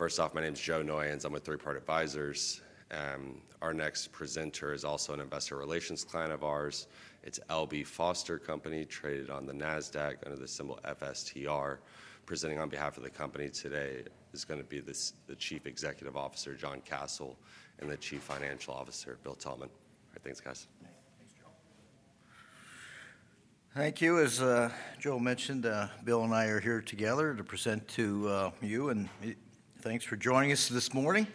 First off, my name is Joe Noyens. I'm with 3Part Advisors. Our next presenter is also an investor relations client of ours. It's L.B. Foster Company, traded on the Nasdaq under the symbol FSTR. Presenting on behalf of the company today is going to be the Chief Executive Officer, John Kasel, and the Chief Financial Officer, Bill Thalman. Thanks, guys. Thanks, Joe. Thank you. As Joe mentioned, Bill and I are here together to present to you, and thanks for joining us this morning.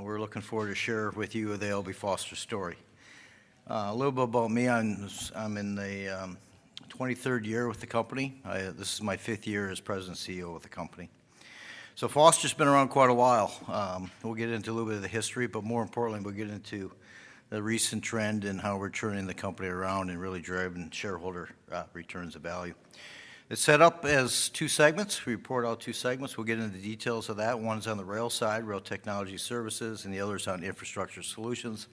We're looking forward to sharing with you the L.B. Foster story. A little bit about me. I'm in the 23rd year with the company. This is my fifth year as President and CEO of the company. Foster's been around quite a while. We'll get into a little bit of the history, but more importantly, we'll get into the recent trend in how we're turning the company around and really driving shareholder returns of value. It's set up as two segments. We report out two segments. We'll get into the details of that. One's on the rail side, rail technology services, and the other's on infrastructure solutions.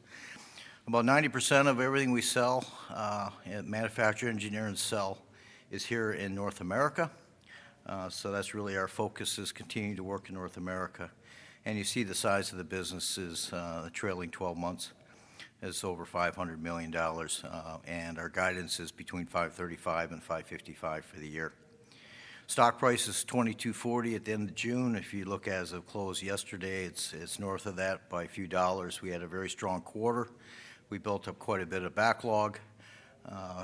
About 90% of everything we sell, manufacture, engineer, and sell is here in North America. That's really our focus, is continuing to work in North America. You see the size of the business is trailing 12 months. It's over $500 million, and our guidance is between $535 million and $555 million for the year. Stock price is $22.40 at the end of June. If you look as of close yesterday, it's north of that by a few dollars. We had a very strong quarter. We built up quite a bit of backlog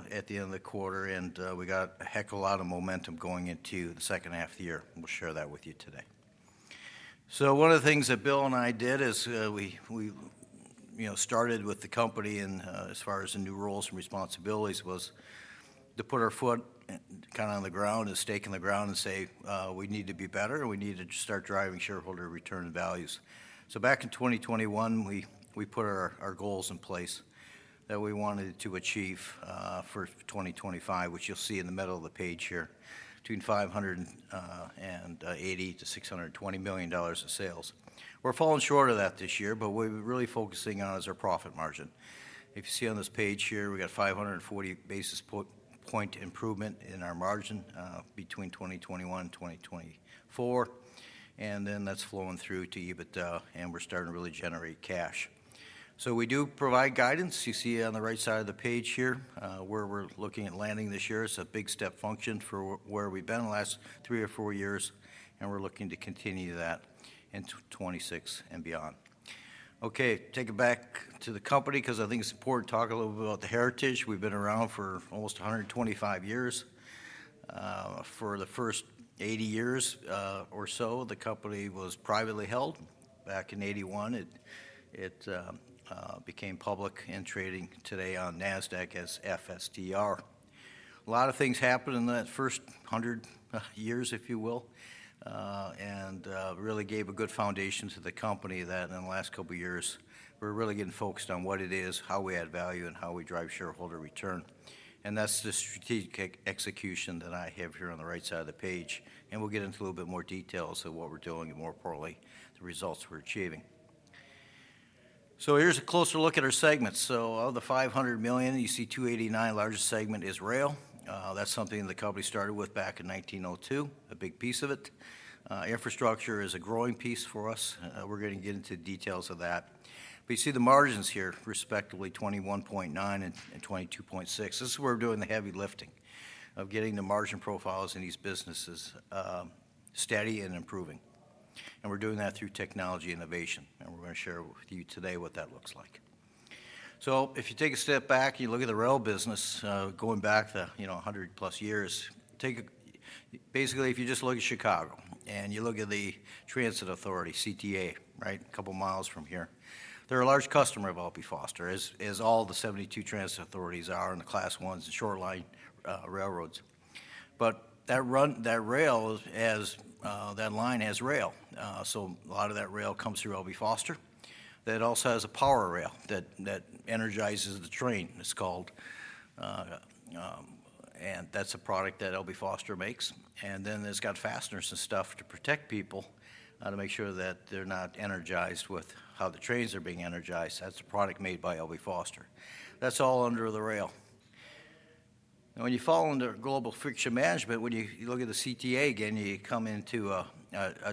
at the end of the quarter, and we got a heck of a lot of momentum going into the second half of the year. We'll share that with you today. One of the things that Bill and I did is we started with the company as far as the new roles and responsibilities was to put our foot kind of on the ground, a stake in the ground, and say, we need to be better. We need to start driving shareholder return values. Back in 2021, we put our goals in place that we wanted to achieve for 2025, which you'll see in the middle of the page here, between $580 million-$620 million of sales. We're falling short of that this year, but what we're really focusing on is our profit margin. If you see on this page here, we got a 540 basis point improvement in our margin between 2021 and 2024, and then that's flowing through to EBITDA, and we're starting to really generate cash. We do provide guidance. You see on the right side of the page here where we're looking at landing this year. It's a big step function for where we've been the last three or four years, and we're looking to continue that in 2026 and beyond. Take it back to the company because I think it's important to talk a little bit about the heritage. We've been around for almost 125 years. For the first 80 years or so, the company was privately held. Back in 1981, it became public and trading today on Nasdaq as FSTR. A lot of things happened in that first 100 years, if you will, and really gave a good foundation to the company that in the last couple of years, we're really getting focused on what it is, how we add value, and how we drive shareholder return. That is the strategic execution that I have here on the right side of the page, and we'll get into a little bit more details of what we're doing and, more importantly, the results we're achieving. Here's a closer look at our segments. Of the $500 million, you see $289 million, largest segment is rail. That's something the company started with back in 1902, a big piece of it. Infrastructure is a growing piece for us. We're going to get into details of that. You see the margins here, respectively 21.9% and 22.6%. This is where we're doing the heavy lifting of getting the margin profiles in these businesses steady and improving. We're doing that through technology innovation, and we're going to share with you today what that looks like. If you take a step back and you look at the rail business, going back 100+ years, basically, if you just look at Chicago and you look at the Transit Authority, CTA, right, a couple of miles from here, they're a large customer of L.B. Foster, as all the 72 transit authorities are and the Class Is and shoreline railroads. That rail has that line as rail. A lot of that rail comes through L.B. Foster. That also has a power rail that energizes the train, it's called, and that's a product that L.B. Foster makes. Then it's got fasteners and stuff to protect people to make sure that they're not energized with how the trains are being energized. That's a product made by L.B. Foster. That's all under the rail. When you fall under Global Friction Management, when you look at the CTA again, you come into a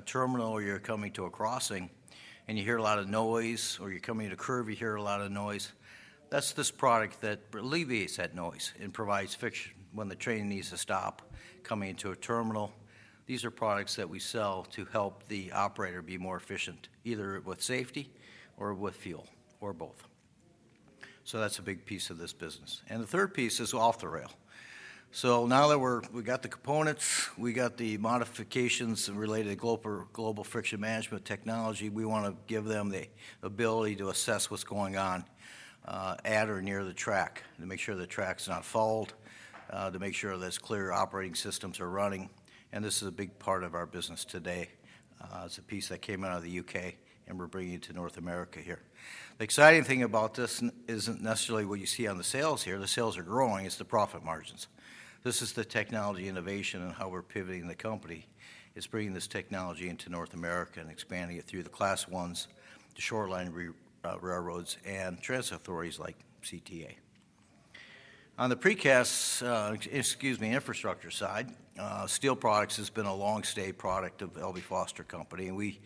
terminal or you're coming to a crossing and you hear a lot of noise, or you're coming to a curve, you hear a lot of noise. That's this product that alleviates that noise and provides friction when the train needs to stop coming into a terminal. These are products that we sell to help the operator be more efficient, either with safety or with fuel or both. That's a big piece of this business. The third piece is off the rail. Now that we've got the components, we got the modifications related to Global Friction Management technology, we want to give them the ability to assess what's going on at or near the track to make sure the track's not fault, to make sure that clear operating systems are running. This is a big part of our business today. It's a piece that came out of the U.K. and we're bringing it to North America here. The exciting thing about this isn't necessarily what you see on the sales here. The sales are growing. It's the profit margins. This is the technology innovation and how we're pivoting the company. It's bringing this technology into North America and expanding it through the Class Is, the shortline railroads, and transit authorities like CTA. On the Precast, excuse me, infrastructure side, steel products has been a long-stay product of L.B. Foster Company. We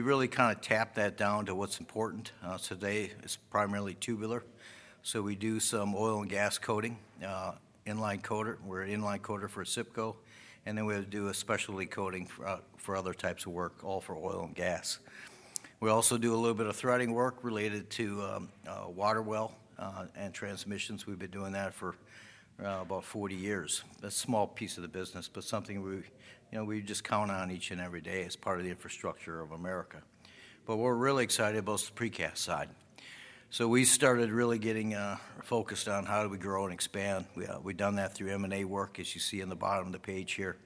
really kind of tapped that down to what's important. Today, it's primarily tubular. We do some oil and gas coating, inline coater. We're an inline coater for SIPCO, and then we do a specialty coating for other types of work, all for oil and gas. We also do a little bit of threading work related to water well and transmissions. We've been doing that for about 40 years. That's a small piece of the business, but something we're just counting on each and every day as part of the infrastructure of America. We're really excited about the Precast side. We started really getting focused on how do we grow and expand. We've done that through M&A work, as you see in the bottom of the page here.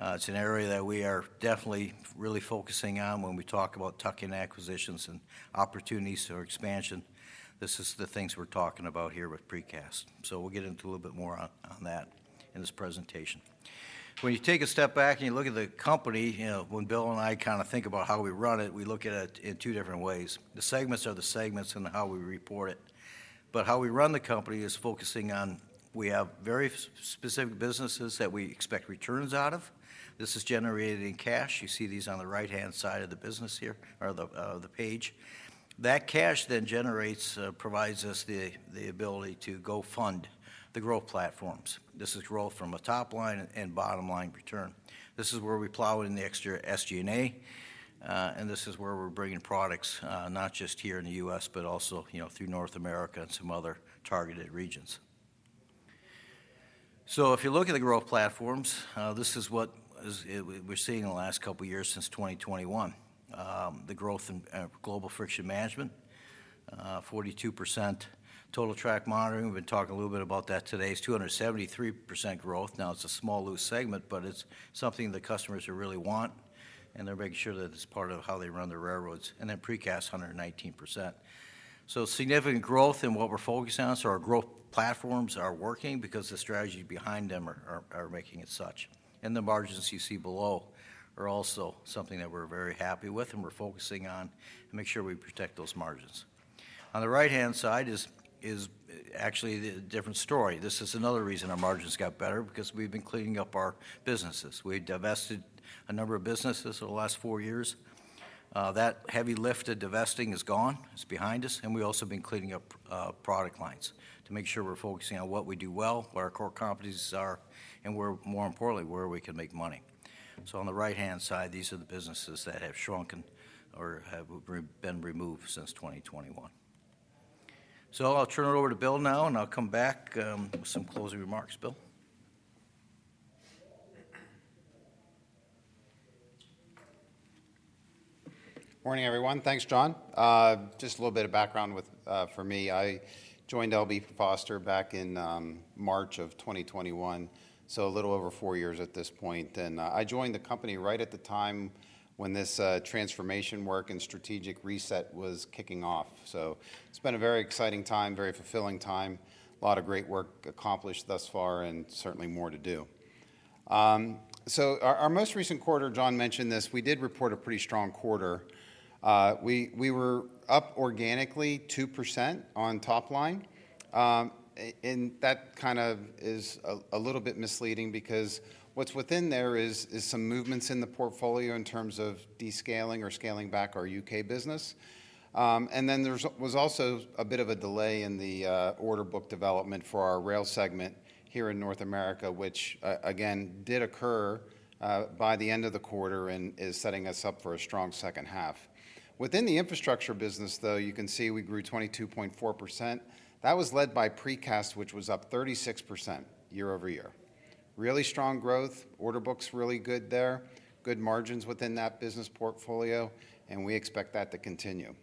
It's an area that we are definitely really focusing on when we talk about tuck-in acquisitions and opportunities for expansion. These are the things we're talking about here with Precast. We'll get into a little bit more on that in this presentation. When you take a step back and you look at the company, when Bill and I kind of think about how we run it, we look at it in two different ways. The segments are the segments and how we report it. How we run the company is focusing on we have very specific businesses that we expect returns out of. This is generated in cash. You see these on the right-hand side of the business here or the page. That cash then generates, provides us the ability to go fund the growth platforms. This is growth from a top line and bottom line return. This is where we plow in the exterior SG&A, and this is where we're bringing products not just here in the U.S., but also through North America and some other targeted regions. If you look at the growth platforms, this is what we're seeing in the last couple of years since 2021. The growth in Global Friction Management, 42%. Total Track Monitoring, we've been talking a little bit about that today, is 273% growth. Now, it's a small loose segment, but it's something the customers really want, and they're making sure that it's part of how they run their railroads. Precast, 119%. Significant growth in what we're focused on. Our growth platforms are working because the strategies behind them are making it such. The margins you see below are also something that we're very happy with, and we're focusing on to make sure we protect those margins. On the right-hand side is actually a different story. This is another reason our margins got better because we've been cleaning up our businesses. We divested a number of businesses over the last four years. That heavy lift of divesting is gone. It's behind us. We've also been cleaning up product lines to make sure we're focusing on what we do well, what our core companies are, and more importantly, where we can make money. On the right-hand side, these are the businesses that have shrunken or have been removed since 2021. I'll turn it over to Bill now, and I'll come back with some closing remarks. Bill? Morning, everyone. Thanks, John. Just a little bit of background for me. I joined L.B. Foster back in March of 2021, so a little over four years at this point. I joined the company right at the time when this transformation work and strategic reset was kicking off. It's been a very exciting time, very fulfilling time. A lot of great work accomplished thus far and certainly more to do. Our most recent quarter, John mentioned this, we did report a pretty strong quarter. We were up organically 2% on top line. That kind of is a little bit misleading because what's within there is some movements in the portfolio in terms of descaling or scaling back our U.K. business. There was also a bit of a delay in the order book development for our rail segment here in North America, which again did occur by the end of the quarter and is setting us up for a strong second half. Within the infrastructure business, you can see we grew 22.4%. That was led by Precast, which was up 36% year-over-year. Really strong growth. Order books really good there. Good margins within that business portfolio, and we expect that to continue.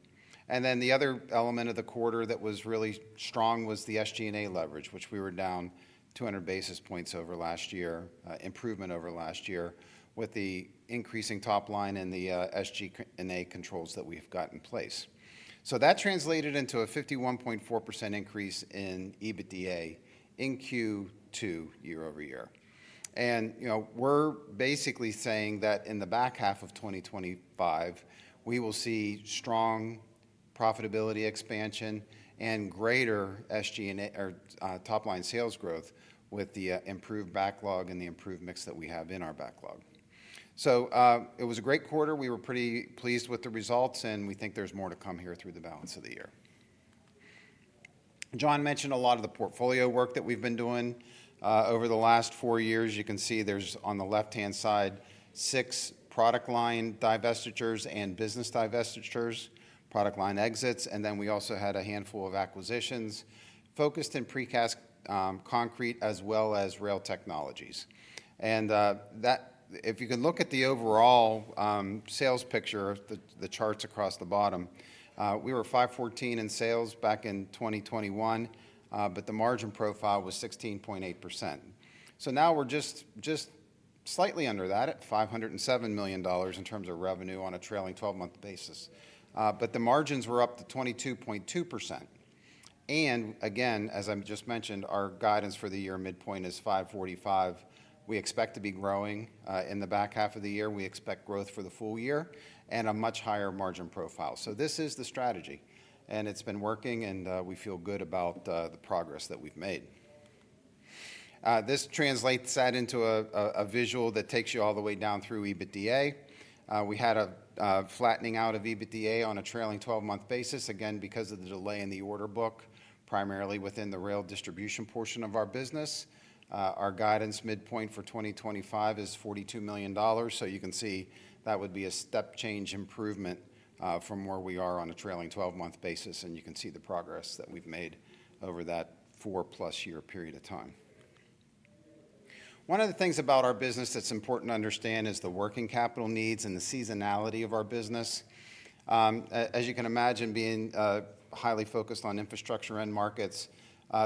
The other element of the quarter that was really strong was the SG&A leverage, which we were down 200 basis points over last year, improvement over last year with the increasing top line and the SG&A controls that we've got in place. That translated into a 51.4% increase in EBITDA in Q2 year-over-year. We're basically saying that in the back half of 2025, we will see strong profitability expansion and greater SG&A or top-line sales growth with the improved backlog and the improved mix that we have in our backlog. It was a great quarter. We were pretty pleased with the results, and we think there's more to come here through the balance of the year. John mentioned a lot of the portfolio work that we've been doing over the last four years. You can see there's on the left-hand side six product line divestitures and business divestitures, product line exits, and we also had a handful of acquisitions focused in Precast Concrete as well as rail technologies. If you can look at the overall sales picture of the charts across the bottom, we were $514 million in sales back in 2021, but the margin profile was 16.8%. Now we're just slightly under that at $507 million in terms of revenue on a trailing 12-month basis, but the margins were up to 22.2%. As I just mentioned, our guidance for the year midpoint is $545 million. We expect to be growing in the back half of the year. We expect growth for the full year and a much higher margin profile. This is the strategy, and it's been working, and we feel good about the progress that we've made. This translates that into a visual that takes you all the way down through EBITDA. We had a flattening out of EBITDA on a trailing 12-month basis, again because of the delay in the order book, primarily within the rail distribution portion of our business. Our guidance midpoint for 2025 is $42 million. You can see that would be a step change improvement from where we are on a trailing 12-month basis, and you can see the progress that we've made over that four-plus year period of time. One of the things about our business that's important to understand is the working capital needs and the seasonality of our business. As you can imagine, being highly focused on infrastructure and markets,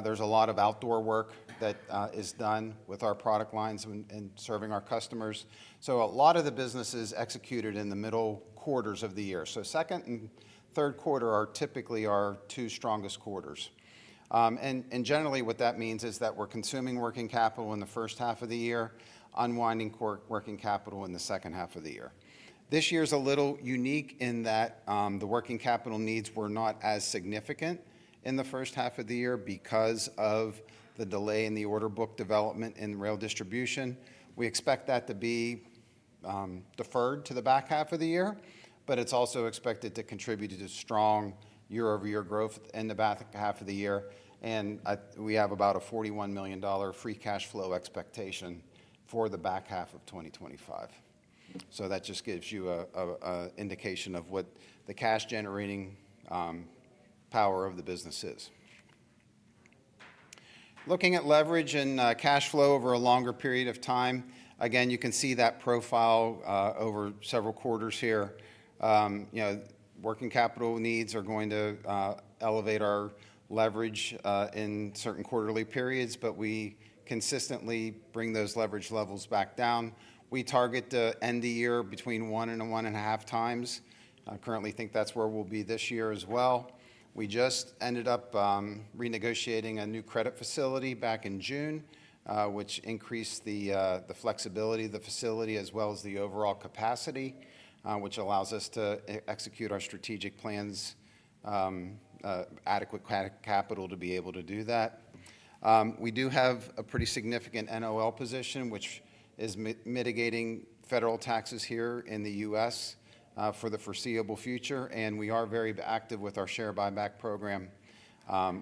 there's a lot of outdoor work that is done with our product lines and serving our customers. A lot of the business is executed in the middle quarters of the year. Second and third quarter are typically our two strongest quarters. Generally, what that means is that we're consuming working capital in the first half of the year, unwinding working capital in the second half of the year. This year is a little unique in that the working capital needs were not as significant in the first half of the year because of the delay in the order book development in rail distribution. We expect that to be deferred to the back half of the year, but it's also expected to contribute to strong year-over-year growth in the back half of the year. We have about a $41 million free cash flow expectation for the back half of 2025. That just gives you an indication of what the cash-generating power of the business is. Looking at leverage and cash flow over a longer period of time, you can see that profile over several quarters here. Working capital needs are going to elevate our leverage in certain quarterly periods, but we consistently bring those leverage levels back down. We target to end the year between 1x and 1.5x. I currently think that's where we'll be this year as well. We just ended up renegotiating a new credit facility back in June, which increased the flexibility of the facility as well as the overall capacity, which allows us to execute our strategic plans with adequate capital to be able to do that. We do have a pretty significant NOL position, which is mitigating federal taxes here in the U.S. for the foreseeable future. We are very active with our share buyback program.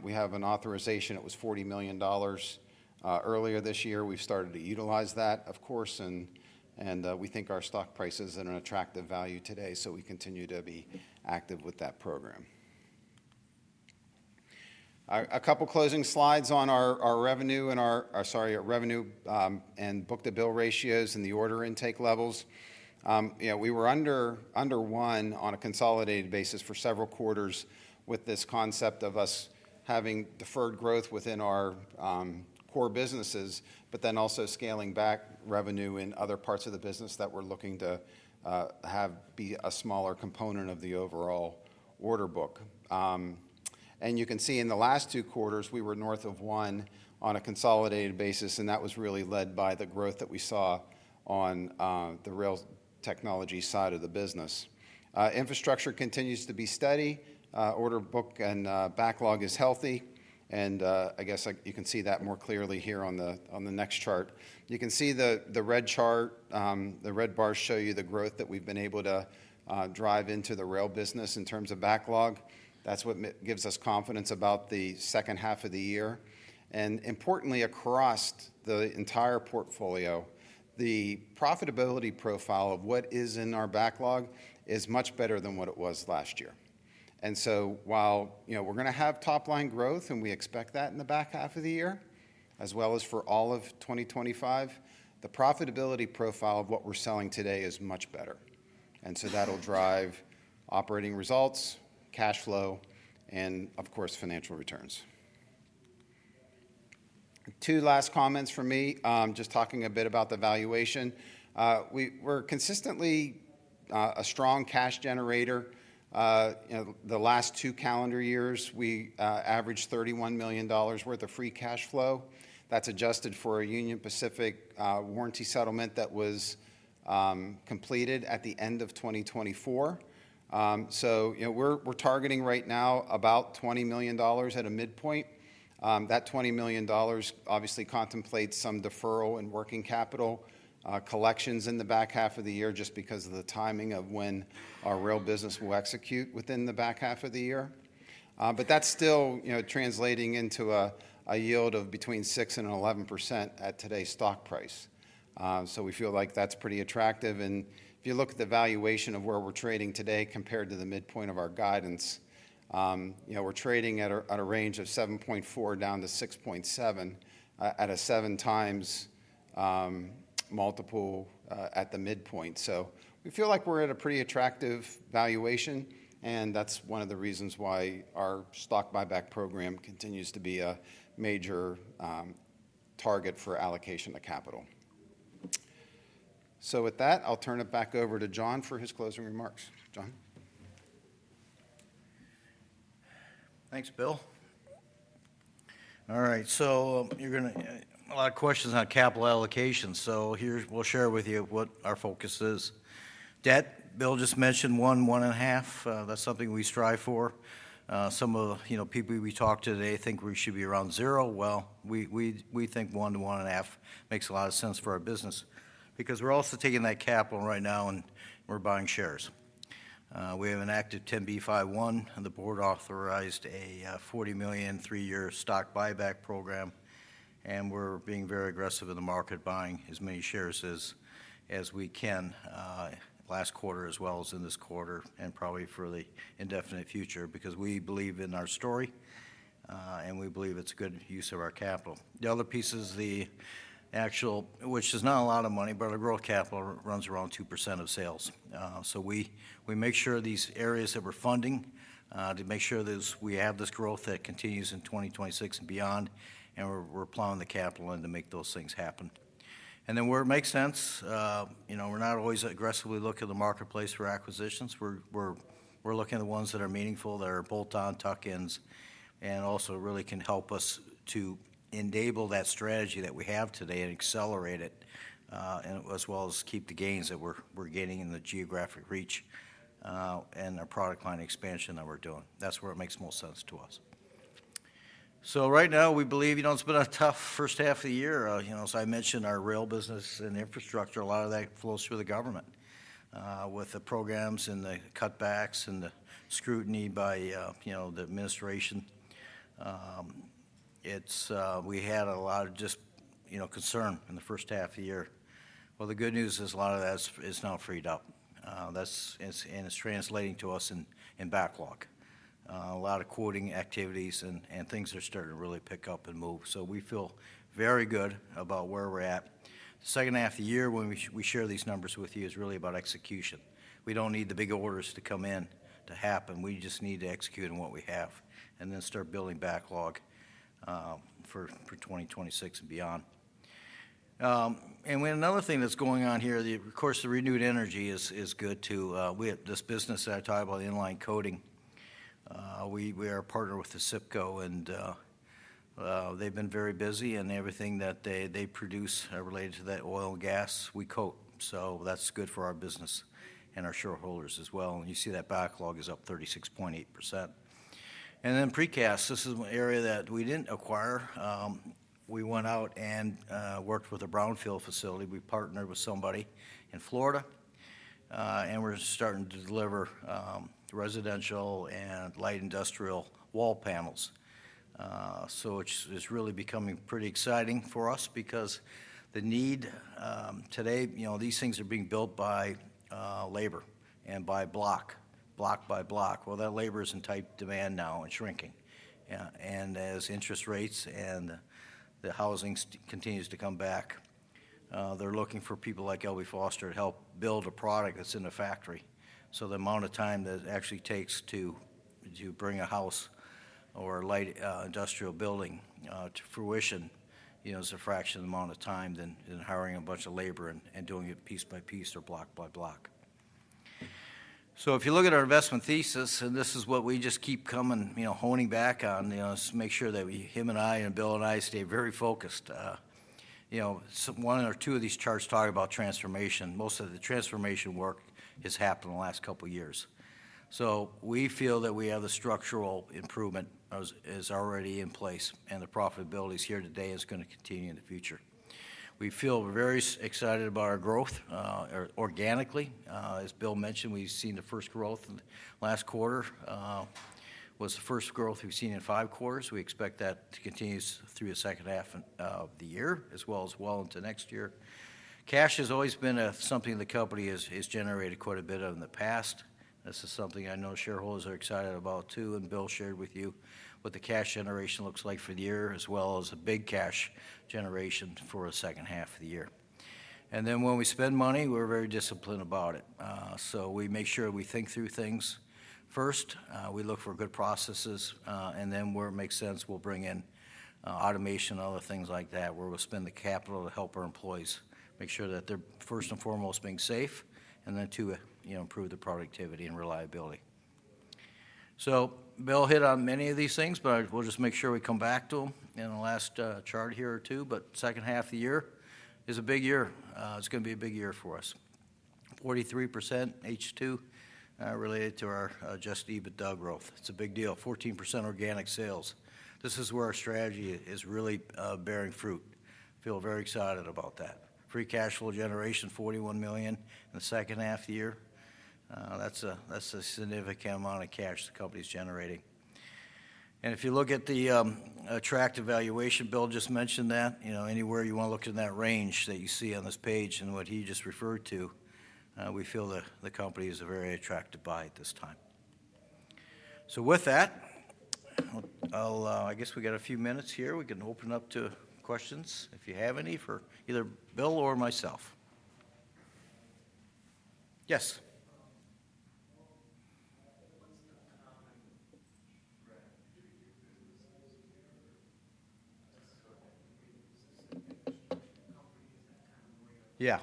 We have an authorization that was $40 million earlier this year. We've started to utilize that, of course, and we think our stock price is at an attractive value today, so we continue to be active with that program. A couple of closing slides on our revenue and our book-to-bill ratios and the order intake levels. We were under one on a consolidated basis for several quarters with this concept of us having deferred growth within our core businesses, but also scaling back revenue in other parts of the business that we're looking to have be a smaller component of the overall order book. You can see in the last two quarters, we were north of one on a consolidated basis, and that was really led by the growth that we saw on the rail technology side of the business. Infrastructure continues to be steady. Order book and backlog is healthy. I guess you can see that more clearly here on the next chart. You can see the red chart, the red bars show you the growth that we've been able to drive into the rail business in terms of backlog. That's what gives us confidence about the second half of the year. Importantly, across the entire portfolio, the profitability profile of what is in our backlog is much better than what it was last year. While we're going to have top-line growth, and we expect that in the back half of the year, as well as for all of 2025, the profitability profile of what we're selling today is much better. That'll drive operating results, cash flow, and of course, financial returns. Two last comments from me, just talking a bit about the valuation. We're consistently a strong cash generator. The last two calendar years, we averaged $31 million worth of free cash flow. That's adjusted for a Union Pacific warranty settlement that was completed at the end of 2024. We're targeting right now about $20 million at a midpoint. That $20 million obviously contemplates some deferral and working capital collections in the back half of the year just because of the timing of when our rail business will execute within the back half of the year. That is still translating into a yield of between 6% and 11% at today's stock price. We feel like that's pretty attractive. If you look at the valuation of where we're trading today compared to the midpoint of our guidance, we're trading at a range of 7.4% down to 6.7% at a 7x multiple at the midpoint. We feel like we're at a pretty attractive valuation, and that's one of the reasons why our share buyback program continues to be a major target for allocation of capital. With that, I'll turn it back over to John for his closing remarks. John? Thanks, Bill. All right. You are going to have a lot of questions on capital allocation. Here, we'll share with you what our focus is. Debt, Bill just mentioned 1x, 1.5x. That's something we strive for. Some of the people we talked to today think we should be around zero. We think 1x-1.5x makes a lot of sense for our business because we're also taking that capital right now and we're buying shares. We have an active 10B5-1. The board authorized a $40 million three-year stock buyback program, and we're being very aggressive in the market, buying as many shares as we can last quarter as well as in this quarter and probably for the indefinite future because we believe in our story and we believe it's a good use of our capital. The other piece is the actual, which is not a lot of money, but our growth capital runs around 2% of sales. We make sure these areas that we're funding to make sure that we have this growth that continues in 2026 and beyond, and we're plowing the capital in to make those things happen. Where it makes sense, you know, we're not always aggressively looking at the marketplace for acquisitions. We're looking at the ones that are meaningful, that are bolt-on tuck-ins, and also really can help us to enable that strategy that we have today and accelerate it, as well as keep the gains that we're getting in the geographic reach and our product line expansion that we're doing. That's where it makes most sense to us. Right now, we believe it's been a tough first half of the year. As I mentioned, our rail business and infrastructure, a lot of that flows through the government with the programs and the cutbacks and the scrutiny by the administration. We had a lot of just concern in the first half of the year. The good news is a lot of that is now freed up, and it's translating to us in backlog. A lot of quoting activities and things are starting to really pick up and move. We feel very good about where we're at. The second half of the year, when we share these numbers with you, is really about execution. We don't need the big orders to come in to happen. We just need to execute on what we have and then start building backlog for 2026 and beyond. Another thing that's going on here, of course, the renewed energy is good too. This business that I talked about, inline coating, we are a partner with SIPCO, and they've been very busy, and everything that they produce related to that oil and gas, we coat. That's good for our business and our shareholders as well. You see that backlog is up 36.8%. Then Precast Concrete, this is an area that we didn't acquire. We went out and worked with a brownfield facility. We partnered with somebody in Florida, and we're starting to deliver residential and light industrial wall panels. It's really becoming pretty exciting for us because the need today, you know, these things are being built by labor and by block, block by block. That labor is in tight demand now. It's shrinking. As interest rates and the housing continues to come back, they're looking for people like L.B. Foster to help build a product that's in a factory. The amount of time that actually takes to bring a house or a light industrial building to fruition is a fraction of the amount of time than hiring a bunch of labor and doing it piece by piece or block by block. If you look at our investment thesis, and this is what we just keep coming, you know, honing back on, you know, make sure that we, him and I, and Bill and I stay very focused. One or two of these charts talk about transformation. Most of the transformation work has happened in the last couple of years. We feel that we have a structural improvement that is already in place, and the profitability is here today and is going to continue in the future. We feel very excited about our growth organically. As Bill mentioned, we've seen the first growth last quarter. It was the first growth we've seen in five quarters. We expect that to continue through the second half of the year, as well as well into next year. Cash has always been something the company has generated quite a bit of in the past. This is something I know shareholders are excited about too, and Bill shared with you what the cash generation looks like for the year, as well as a big cash generation for the second half of the year. When we spend money, we're very disciplined about it. We make sure we think through things first. We look for good processes, and where it makes sense, we'll bring in automation and other things like that, where we'll spend the capital to help our employees make sure that they're first and foremost being safe, and then to improve the productivity and reliability. Bill hit on many of these things, but we'll just make sure we come back to them in the last chart here or two. The second half of the year is a big year. It's going to be a big year for us. 43% H2 related to our adjusted EBITDA growth. It's a big deal. 14% organic sales. This is where our strategy is really bearing fruit. I feel very excited about that. Free cash flow generation, $41 million in the second half of the year. That's a significant amount of cash the company's generating. If you look at the attractive valuation, Bill just mentioned that, you know, anywhere you want to look in that range that you see on this page and what he just referred to, we feel the company is a very attractive buy at this time. I guess we got a few minutes here. We can open up to questions if you have any for either Bill or myself. Yes.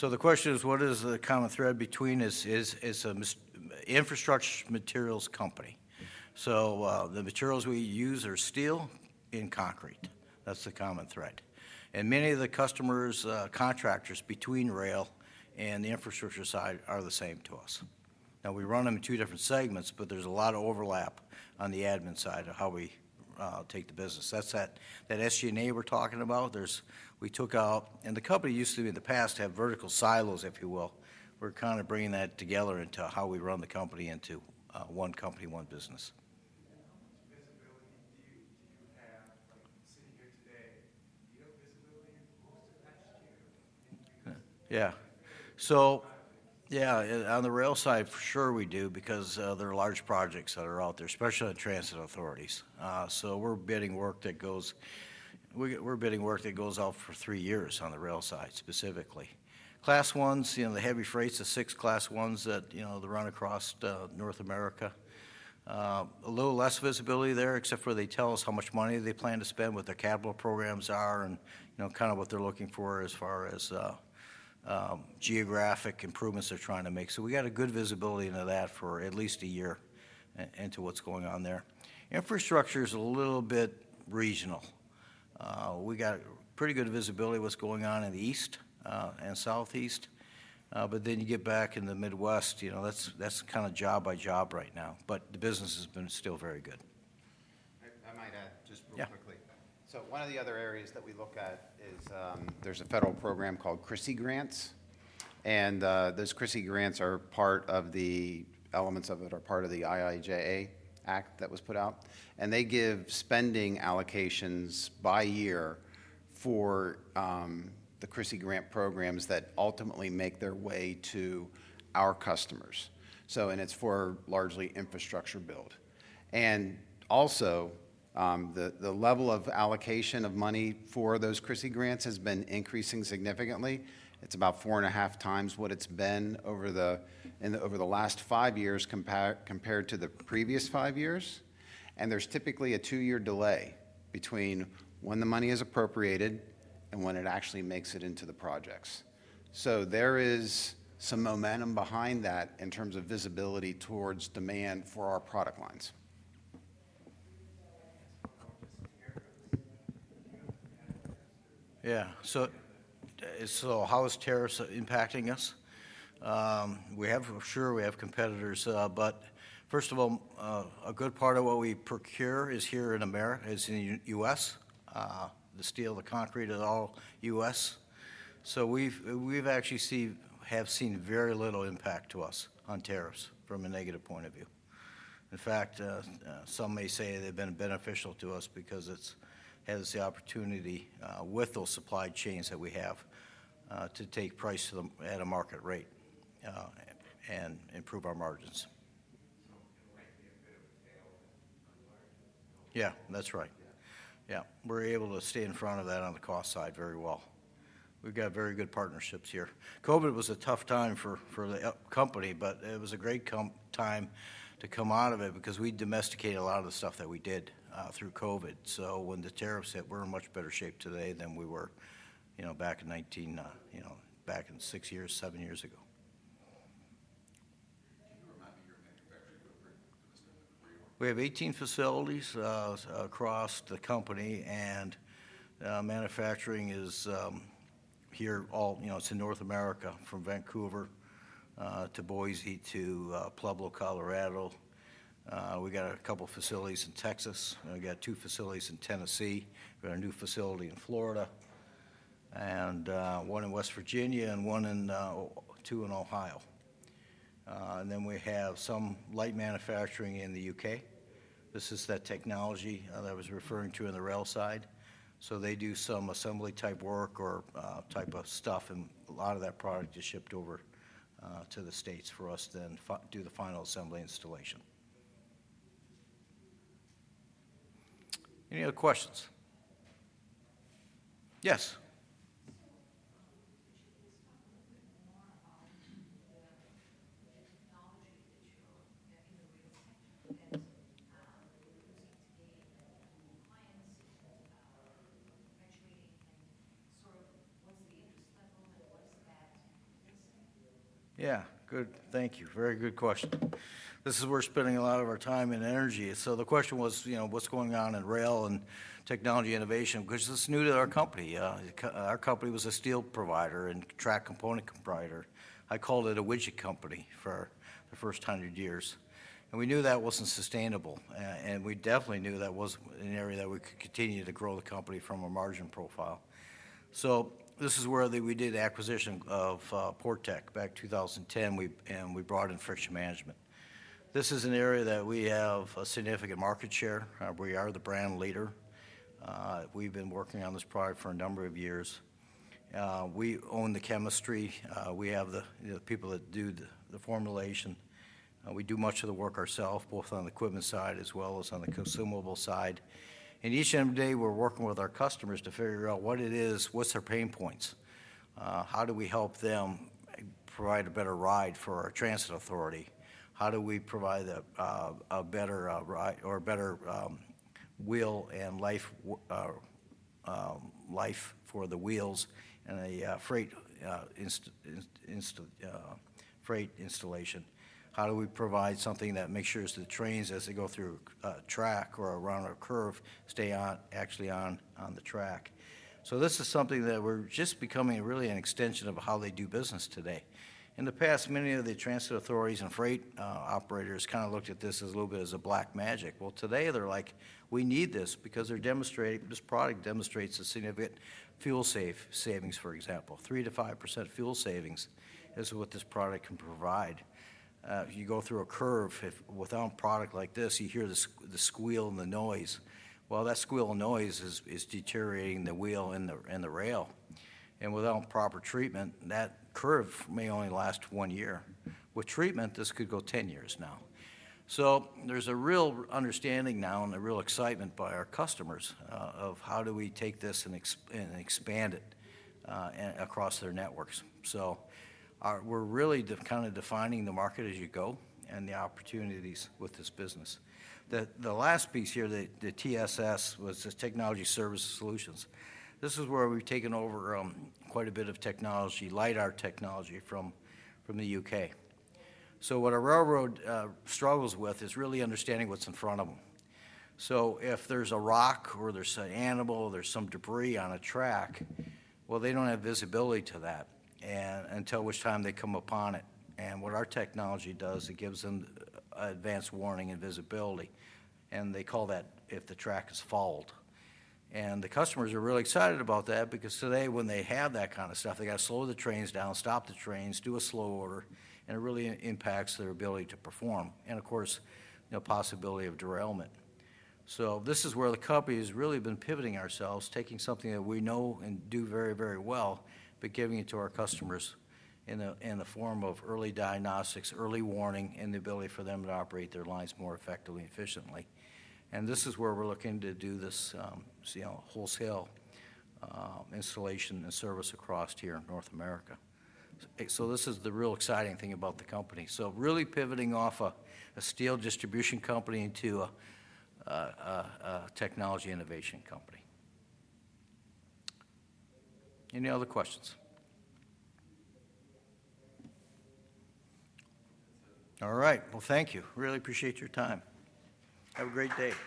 Yeah. The question is, what is the common thread between us? It's an infrastructure materials company. The materials we use are steel and concrete. That's the common thread. Many of the customers, contractors between rail and the infrastructure side are the same to us. We run them in two different segments, but there's a lot of overlap on the admin side of how we take the business. That's that SG&A we're talking about. We took out, and the company used to in the past have vertical silos, if you will. We're kind of bringing that together into how we run the company into one company, one business. On the rail side, for sure we do because there are large projects that are out there, especially on transit authorities. We're bidding work that goes out for three years on the rail side specifically. Class Is, you know, the heavy freights, the six Class Is that run across North America. A little less visibility there, except for they tell us how much money they plan to spend, what their capital programs are, and what they're looking for as far as geographic improvements they're trying to make. We got good visibility into that for at least a year into what's going on there. Infrastructure is a little bit regional. We got pretty good visibility of what's going on in the east and southeast. Then you get back in the Midwest, that's kind of job by job right now. The business has been still very good. I might add just real quickly. One of the other areas that we look at is there's a federal program called CRISI Grants. Those CRISI Grants are part of the elements of it that are part of the IIJA Act that was put out. They give spending allocations by year for the CRISI Grant programs that ultimately make their way to our customers. It's for largely infrastructure build. Also, the level of allocation of money for those CRISI Grants has been increasing significantly. It's about 4.5 x what it's been over the last five years compared to the previous five years. There's typically a two-year delay between when the money is appropriated and when it actually makes it into the projects. There is some momentum behind that in terms of visibility towards demand for our product lines. Yeah. How is tariffs impacting us? I'm sure we have competitors, but first of all, a good part of what we procure is here in America, is in the U.S. The steel, the concrete, is all U.S. We've actually seen very little impact to us on tariffs from a negative point of view. In fact, some may say they've been beneficial to us because it has the opportunity with those supply chains that we have to take prices at a market rate and improve our margins. Yeah, that's right. We're able to stay in front of that on the cost side very well. We've got very good partnerships here. COVID was a tough time for the company, but it was a great time to come out of it because we domesticated a lot of the stuff that we did through COVID. When the tariffs hit, we're in much better shape today than we were back in 2019, back six years, seven years ago. We have 18 facilities across the company, and manufacturing is here all in North America from Vancouver to Boise to Pueblo, Colorado. We got a couple of facilities in Texas. We got two facilities in Tennessee. We got a new facility in Florida and one in West Virginia and two in Ohio. We have some light manufacturing in the U.K. This is that technology that I was referring to in the rail side. They do some assembly type work or type of stuff, and a lot of that product is shipped over to the States for us to then do the final assembly installation. Any other questions? Yes. We have some knowledge that you're getting a real section and some new research today. I think new clients are graduating and so. Yeah, good. Thank you. Very good question. This is where we're spending a lot of our time and energy. The question was, you know, what's going on in rail and technology innovation because it's new to our company. Our company was a steel provider and track component provider. I called it a widget company for the first hundred years. We knew that wasn't sustainable, and we definitely knew that was an area that we could continue to grow the company from a margin profile. This is where we did acquisition of Portec back in 2010, and we brought in Friction Management. This is an area that we have a significant market share. We are the brand leader. We've been working on this product for a number of years. We own the chemistry. We have the people that do the formulation. We do much of the work ourselves, both on the equipment side as well as on the consumable side. Each and every day, we're working with our customers to figure out what it is, what's their pain points. How do we help them provide a better ride for our transit authority? How do we provide a better ride or a better wheel and life for the wheels and a freight installation? How do we provide something that makes sure the trains, as they go through a track or around a curve, stay actually on the track? This is something that we're just becoming really an extension of how they do business today. In the past, many of the transit authorities and freight operators kind of looked at this as a little bit as a black magic. Today they're like, we need this because they're demonstrating this product demonstrates a significant fuel savings, for example, 3%-5% fuel savings is what this product can provide. You go through a curve without a product like this, you hear the squeal and the noise. That squeal and noise is deteriorating the wheel and the rail. Without proper treatment, that curve may only last one year. With treatment, this could go 10 years now. There's a real understanding now and a real excitement by our customers of how do we take this and expand it across their networks. We're really kind of defining the market as you go and the opportunities with this business. The last piece here, the TSS, was the technology service solutions. This is where we've taken over quite a bit of technology, LiDAR technology from the U.K. What a railroad struggles with is really understanding what's in front of them. If there's a rock or there's an animal, there's some debris on a track, they don't have visibility to that until they come upon it. What our technology does is it gives them advanced warning and visibility. They call that if the track is fault. The customers are really excited about that because today, when they have that kind of stuff, they have to slow the trains down, stop the trains, do a slow order, and it really impacts their ability to perform. Of course, there's the possibility of derailment. This is where the company has really been pivoting ourselves, taking something that we know and do very, very well, but giving it to our customers in the form of early diagnostics, early warning, and the ability for them to operate their lines more effectively and efficiently. This is where we're looking to do this wholesale installation and service across here in North America. This is the real exciting thing about the company, really pivoting off a steel distribution company to a technology innovation company. Any other questions? Thank you. Really appreciate your time. Have a great day.